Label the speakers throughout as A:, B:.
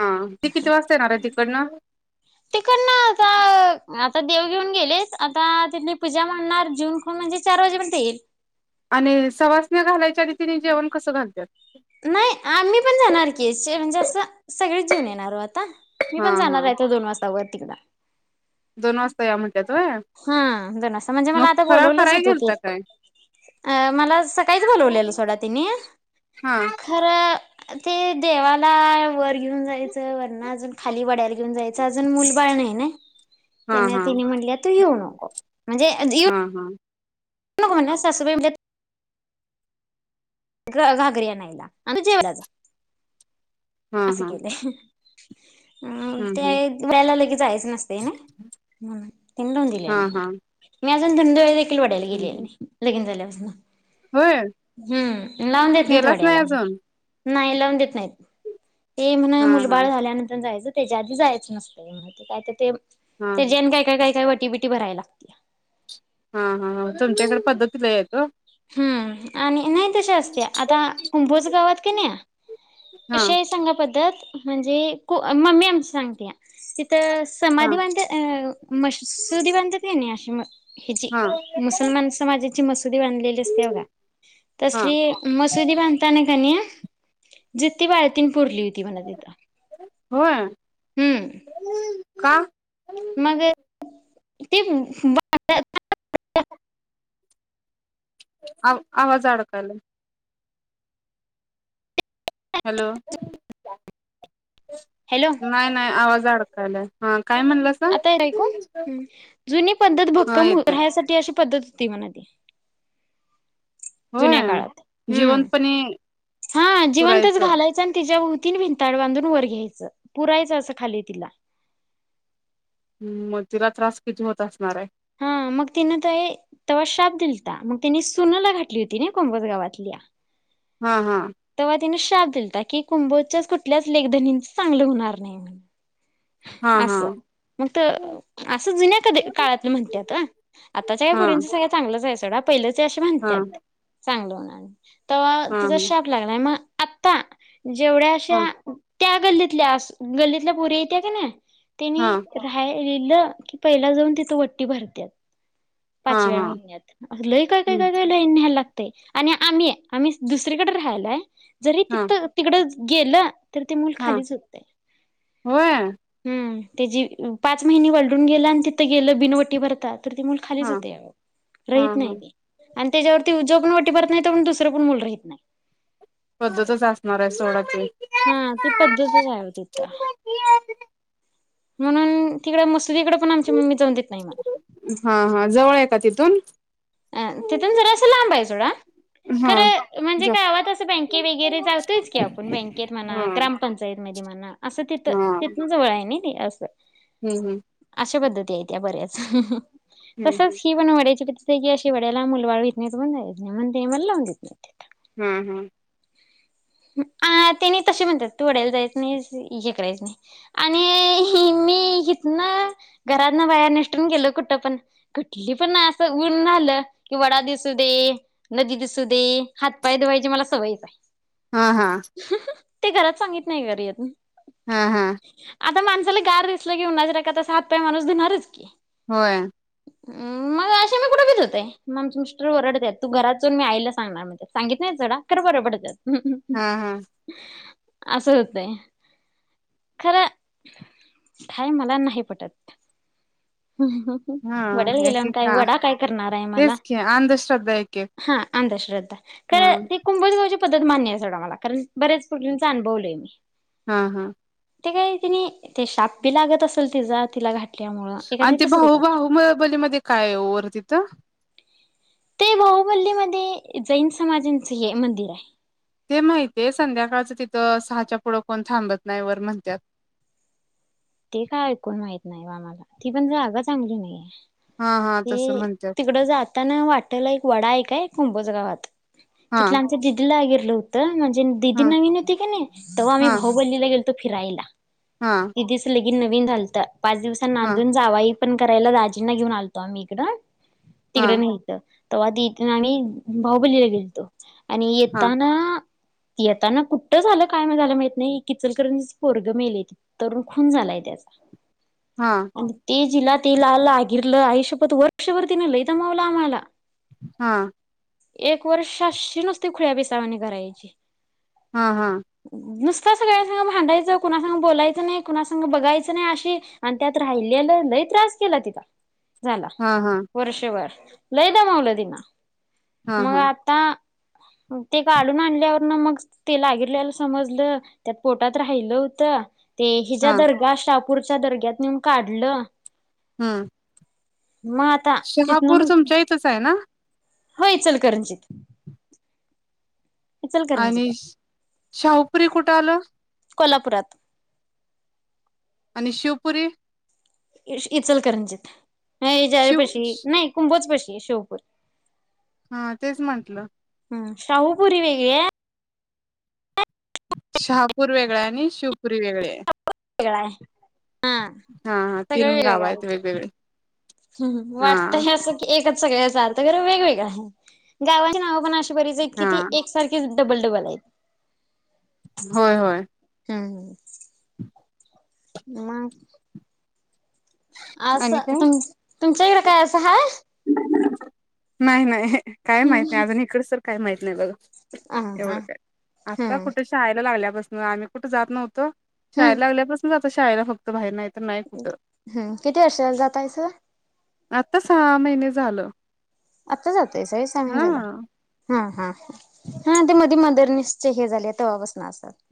A: हा ती किती वाजता येणार आहे तिकडनं
B: तिकड ना आता आता देव घेऊन गेलेस आता तिथली पूजा म्हणणार जून खाऊन म्हणजे चार वाजेपर्यंत येईल.
A: आणि सवासने घालायच्या आणि तिनी जेवण कसं घालतात.
B: नाही आम्ही पण जाणार की म्हणजे असं सगळेच जेऊन येणारो आता. मी
A: हा
B: पण जाणार
A: हा
B: आहेथ दोन वाजता. [unintelligible]
A: दोन वाजता या म्ह
B: हा दोन वाजता म्हणजे मला आता
A: फराळ
B: बोलवलंच
A: कराय
B: होतं ते
A: गेलता काय
B: मला सकाळीच बोलवलेलं सोडा तिने
A: हा
B: खरं ते देवाला वर घेऊन जायचं वरणं अजून खाली वड्याला घेऊन जायचं अजून मुल बाळ नाही ना
A: हा
B: त्याना
A: हा
B: तेने म्हटल्यात येऊन नको म्हणजे
A: [inaudible]
B: नको म्हनाय नाहीत सासुबाई म्हणल्यात घागरी आणायला, आणि तू जेवायला जा.
A: हा हा
B: असकेल. अ
A: हम्म
B: ते
A: हम्म
B: वेयाला लगेच जायचं नसते नाय. म्हणून त्यांने लावुन दिले
A: हा
B: नाही.
A: हा
B: मी अजून [unintelligible] वाड्याला
A: हम्म
B: गेलेल
A: हम्म
B: नाही लगीन झाल्यापासनं.
A: होय
B: [inaudible] हम्म. लावून देत नाहीत
A: गेलाच नाही
B: वड्याला
A: अजून
B: नाही लावून देत नाहीत. हे म्हणा
A: हा हा
B: मुलबाळ झाल्यानंतर जायचं त्याच्या आधी जायचं नसते म्हण ते काय तर ते
A: हा
B: तर जेन काय काय काय काय वाटी भराय लागते.
A: हा हा ह तुमच्याकडे पद्धतीलयी आहेेत ओ.
B: हम्म आणि नाही तसी असते आता कुंभोज गावात क नाही.
A: हा
B: कशी हाय सांगा पद्धत? म्हणजे मम्मी आमच सांगते. तिथ
A: हा
B: समाधी बांध मसुदी बांधत आहे ना अशी हेजी
A: हा
B: मुसलमान समाजाची ची मसुरी सत्या बघा
A: हा
B: तशी मसुरी बांधताना कनी जिती बाळ तीन पुरली होती म्हणं तिथ,
A: होय
B: हम्म.
A: का?
B: मग ती बाळा
A: आ आवाज अडकायलाय. हॅलो.
B: हॅलो
A: नाही-नाही आवाज [unintelligible] खायला
B: आता हे ऐकवू जुनी पद्धत
A: हा
B: भक्कम
A: येतय
B: राहसाठी अशशी पद्धत तीवनाते
A: होय
B: जुन्या काळात हम्म
A: जिवंतपणे
B: हा जिवंतच
A: पुरायचं
B: घालायच आणि तिच्याती तीन भिंताळ बांधून वर घ्यायचं पुरायच असं खाली तिला
A: मग तिला त्रास किती होत असणार आहे.
B: हा मग तिनं त तव्हा शाप दिला होता मग तिने सुनला घातली होती ना कोंबस गावातल्या
A: हा-हा
B: तरव्हा तेन शाप दिलता की कुंभोजच्या कुठल्याच लेखधनीच चांगलं होणार नाही म्हण
A: हा हा
B: असं मग असं जुन्या कधी काळात म्हणत आताच्या या
A: हा
B: पुरींच सगळ चांगलंच आहे सडा पहिले स
A: हा
B: म्हणत्यात चांगलं होणार तेव्हा
A: हा
B: तिचा शाप लागलाय मग आत्ता जेवढ्या
A: हा
B: अशा त्या गल्लीतल्या गल्लीतल्या पुरी त्या की नाय
A: हा
B: त्यांनी राय ललं की पहिला जाऊन तिच वट्टी भरत्यात
A: हा
B: पाच वेळा
A: हा
B: होऊन्यात अस लय
A: हम्म
B: काय-काय-काय-काय लईन न्यायला लागत. आणि आम्ही आम्ही दुसरीकडे राहायलाय जरी
A: हा
B: तिथं तिकडं गेलं तर ते मूल
A: हा
B: खालीच होते
A: होय
B: हम्म त्याची पाच महिने वलडून गेला आणि तिथं गेलं बिन वटी भरतात तर ती मुल खालीच
A: हा
B: होते
A: हा
B: राहीत
A: हा
B: नाही ते आणि त्याच्यावरती उजव पण वाटी भरत नाही पण दुसरं पण मुल राहत नाही.
A: पद्धतच असणार आहे सोडा [unintelligible]
B: हा ती पद्धतच आहे होय तिथं म्हणून तिकडं म्ह तुझ इकडे पण आमची मम्मी जाऊन देत नाही मला
A: हा हा जवळ [unintelligible]
B: अ तिथून जरा अस लांब आहे सोडा
A: हा
B: खरं म्हणजे
A: जा
B: का गवात बँके वगैरे जातयच की आपण बँकेत म्हणा
A: हा
B: ग्रामपंचायत म मना. असं तिथ
A: हा
B: तिथन जवळ आहे नाही. असं.
A: हम्म, हम्म.
B: अशा पद्धती आहेत या बऱ्याच.
A: हम्म हम्म
B: तसंच ही पण वडायची की अशी वड्याला मुलबाळ येत नाही पणेत नाही म्हण ते मला लावून देत नाही.
A: हम्म, हम्म.
B: आ तेने तसे म्हणतात तू वडायला जायच नाही हे करायच नाही. आणि मी हीतनं घरातन बाहेर नसटुन गेल कुठं पण कठली पण असं ऊन आलं की वडा दिसू दे नदी दिसू दे हातपाय धुवायची मला सवयचं हाय.
A: हा हा
B: ते घरात सांगित नाही घरीअजुन
A: हा हा हा
B: आता मण साला गार दिसलं की ऊनाच्या रकात अस हात पाय माणूस धुणारचं की.
A: होय.
B: मग अशी मी कुठे भी धुतोय मग आम मिस्टर वरडतात तू घरात जाऊन मी आयला सांगणार म्हणतात सांगित नाही सोडा खर बर पडतात. बरबडत
A: हा हा
B: असं होतय खर काय मला नाही पटत. ह
A: हा
B: वड्याला
A: एक
B: गेल्या
A: एक
B: काय
A: का
B: वडा काय करणार आहे मला
A: तेच की अंधश्रद्धा एक एक
B: हा. अंधश्रद्धा
A: हा
B: खर ते कुंभोज गावची पद्धत मान्य सोडा मला कारण बऱ्याच [unintelligible] अनुभवलय मी
A: हा हा
B: ते काय तिने ते शाप बी लागत असेल तिचा तिला घाट
A: आणि ते भाहु भाहूलीमध्ये काय वर तिथं?
B: ते बाहुबलीमध्ये जैन समाजांच हे मंदिर आहे.
A: ते माहित आहे संध्याकाळच तिथं सहाच्या पुढं कोण थांबत नाही वर म्हणतात.
B: ते काय ऐकून माहीत नाही आम्हाला ती पण जागा चांगली नाहीये.
A: हा हा तसं
B: ते
A: म्हणतात
B: तिकडं जाताना वाटल एक वडा आहे काय? कुंभज गावात
A: हा
B: तिथलं आमच जिद्लं आहे गे लं होत ज दीदी
A: हा
B: नवीन होती का नाही तवा आम्ही
A: हा
B: बाहुबलीला गेल तर फिरायला.
A: हा
B: गीन नवीन घलतात. पाच दिवसां
A: हा
B: नांदून जावायी पण करायला राजीना घेऊन आलो आम्ही इकड तिकडं
A: हा
B: नाहीत तव्हा तीथ आणि बाहुबलीला गेलतो आणि
A: हा हा
B: येताना येताना कुठं झालं काय जाल माहित नाही एक इचलकरंजीच पोरग मेले की तरुण खून झालाय त्याचा
A: हा
B: आणि ते जिला तिला लागीर ल आईशप्पथ वर्षभर तिनं लई दमावलं आम्हाला
A: हा.
B: एक वर्षाशी नुसती खुळ पिसावाने करायची.
A: हाहा..
B: सगळ्यां संग भांडायचं कुणास बोलायचं नाही. कुणा संग बघायचं नाही अशी आणि त्यात राहिलेलं लय त्रास केला तिथ झाला
A: हा हा
B: वर्षभर लय दमावल तिने मग
A: हा
B: आता ते काढून आणल्यावरन मग ते लागीरलेल समजलं त्यात पोटात राहिलं होत ते हिज
A: हा
B: दर्गा शाप गपूरच्या दर्ग्यात नेऊन काढलं
A: हम्म.
B: मग आता
A: शहापूर तुमच्या इथच आहे ना?
B: होय इचलकरंजीत
A: आणि
B: इचलकरंजीत
A: शाहूपुरी कुठे आलं?
B: कोल्हापुरात.
A: आणि शिवपुरी?
B: इचलकरंजी. ह जार
A: शिव
B: पशी
A: श-
B: नाही कुंभच पशी शाहूपूर
A: हा तेच म्हंटलं.
B: हम्म शाहूपुरी वेगळी
A: शहापूर वेगळा आणि शिवपुरी वेगळे
B: [unintelligible] वेगळा आहे हा
A: हा-हा तीन गाव आहेत वेगवेगळे.
B: हम्म वाटतय असं क एकच सगळ्यांचा अर्थ वगैरे वेगवेगळहाय गावाची नाव पण अशी बरीच
A: हा
B: कि एकसारखे डबल-डबल आहेत.
A: होय होय.
B: हम्. मग,
A: आणि
B: असं
A: काय
B: तुम तुमच्या इकडें काय असं आहे?
A: नाही नाही हे काय माहित नाही अजून इकडच. काय माहित नाही बघा.
B: अ हा
A: एवढं काय आता
B: हम्म
A: कुठे शाळेला लागल्यापासून म आम्ही कुठे जात नव्हतो,
B: हम्म
A: शाळेला लागल्यापासून जात शाळेला फक्त बाहेर नाही तर नाही कुठं
B: हम्म किती वर्ष झाल जातायस?
A: आता सा महिने झालं.
B: आता जातोय सहा महिने
A: हा
B: झाला. हा हा हा ते मधी मदरनेसचे हे झालेय तवापासन.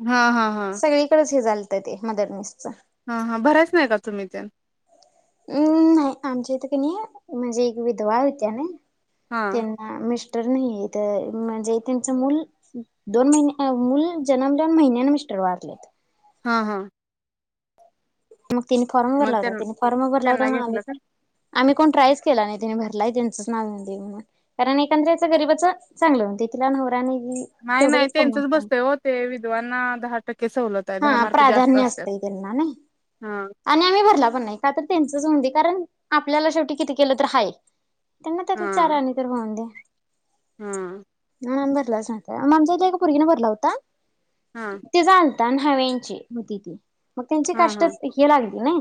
A: हा हा हा
B: सगळीकडे हे झा ते मदरनेसच.
A: हा हा भरायच नाही का तुम्ही तेन?
B: हम्म नाही आमच्या इथ कणी नाही म्हणजे एक विधवा होत्या नाही,
A: हा
B: त्यांना मि र नाही म्हणजे त्यांच मूल दोन महिन मूल जन्मल्यावर महिन्यान मिस्टर वारलेत.
A: हा हा.
B: मग तेनी फॉर्म
A: मग
B: भरला होता.
A: त्यां
B: तेनी फॉर्म भरला
A: त्यांना
B: होता आम्ही
A: घेतलं का?
B: आम्ही कोण ट्रायच गेला नाही तीन भरलाय त्यांचाच नाव येऊदे म्हणून कारण एखाद्याच गरीबच चांगल होऊदे. तिला नवरा ना
A: नाही नाही त्यांचच बसतय हो ते विधवाांना दहा टक्के सवलत आहे दहा
B: हा
A: मार्क जास्त
B: प्राधान्य
A: असतात.
B: असतय त्यांना नाही
A: हा
B: आणि आम्ही भरला पण नाही का तर त्यांच होऊन दे कारण आपल्याला शेवटी किती केलं तर हाय. त्यांना
A: हा
B: त्यातला चार आणे तर मिळून दे.
A: हा.
B: मगं आम्ही भरला सां आमच्या इथका मुुगीने भरला होता.
A: हा
B: ते जा न्हाव्यांची होती ती. मग त्यांचे
A: हा हा
B: कष्टच हे लागते नाय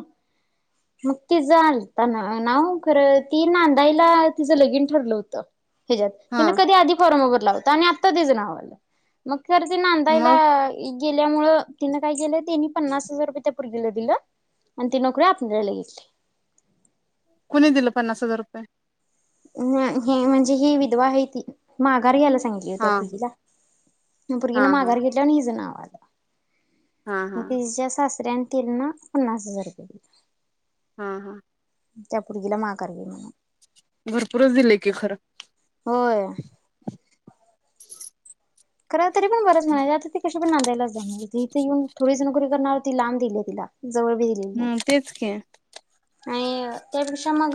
B: मग ति जाताना नाव खरं ती नांदायला तिज लगीन ठरलं होत. ह्याच्यात
A: हा
B: हीन कधी आधी बोलवल लावतानी आत्ता तिज लावल मग खरं ती नांदायला
A: मग
B: गेली आपल्यामुळ तिन काय केलं तिनी पन्नास हजार रुपय त्या पोरगीला दिलं आणि ती नोकरी आपल्याला गेली.
A: कुणी दिलं पन्नास हजार रुपये?
B: म्हणजे ही विधवा आहे ती माघार घ्यायला सांग. त्या
A: हा
B: पोरगीला. त्या
A: हा
B: पोरगीन
A: हा
B: माघार घेतल आणि हिज नाव आल.
A: हा हा
B: [unintelligible] तिज्या सास त्यानं तिनं पन्नास हजार रुपये दिलं.
A: हा हा.
B: त्या पोरगील माघार घे म्हणावं.
A: भरपूरच दिलय की खरं.
B: होय.
A: [inaudible]
B: खरं तरी पण बरच म्हणायच. आता ती कशी पण नांदायलाच जाणार होती, ती इथ येऊन थोडी पोरग ना ती लांब दिलय तिला. जवळ
A: हम्म तेच की.
B: नाई अ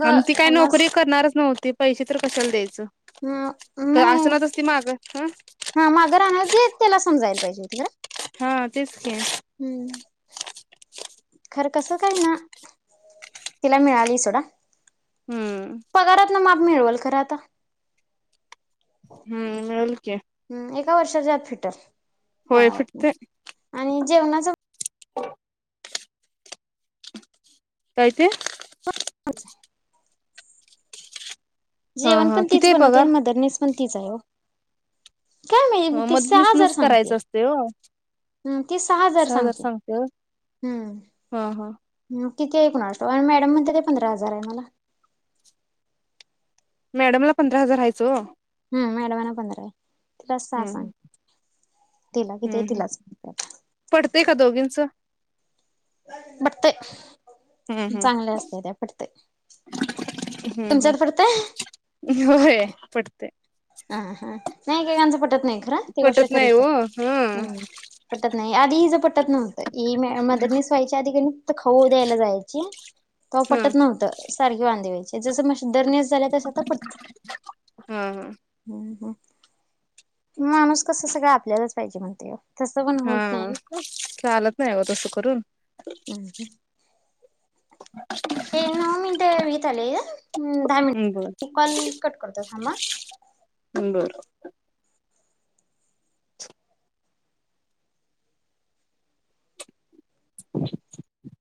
A: आण ती काय नोकरी करणारच नव्हती. पैसे तर कशाला द्याय
B: ह
A: त
B: नाही
A: आसनातसंती माग ह
B: हा माग राहणार ती त्यालास होऊन जायला पाहिजे होती घरात
A: हा तेच की.
B: खरं कसं काय ना, तिला मिळाली सोडा
A: हम्म
B: पगारातल माप मिळवल खरं आता
A: हम्म मिळल की.
B: हम एका वर्षाच्या आत फिटल.
A: होय
B: पगारातंन
A: फिटते
B: आणि जेवणाचं
A: [unintelligible] काय ते?
B: [unintelligible]
A: हा
B: जेवण
A: हा
B: पण तीच
A: किती आहे
B: बनवते
A: पगार
B: आणि मदरनीस पण तिचं हाय ओ. काय माहीत ती सहा हजार
A: मदतनीसनच
B: सांगत्या.
A: करायचं असते हो
B: हम्म ती सहा हजार सांगत्या
A: हा हा
B: हम्म. किती कुणास ठाऊक आणि मॅडम म्हणते ते पंधरा हजार आहे मला.
A: मॅडमला पंधरा हजार हायचं हो.
B: हम्म, मॅडम मला पंधरा हाय.
A: हम्म
B: तिला
A: ह,
B: किती आहे
A: हम्म हम्म
B: तिलाच सांग
A: पटतंय का दोघींच?
B: पटते
A: हम्म हम्म
B: चांगले असते त्या पटते.
A: हम्म हम्म, होय पडते.
B: ह हा नाही एकेकांचं पट पटत नाही खर ती गोष्ट
A: पटत नाही हो
B: खरीच
A: हा
B: पटत नाही आधी हीच पटत नव्हतं ह मदरनीच व्हायची आधी कणी तीथ खाऊ द्यायला जायची तवा
A: हा
B: पटत नव्हतं. सारखे वांदे व्हायचे जस धरनस झाल्या तस आता पडत.
A: हा
B: हम्म हम्म. माणूस कसं सगळं आपल्यालाच पाहिजे म्हणतय हो.
A: हा चालत नाही ओ तसं करून
B: हम्म हे नऊ मिनिट वीत आले दहा
A: बर
B: मिनिट कॉल कट करतो थांबा.
A: बर [inaudible]